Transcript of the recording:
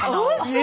え！？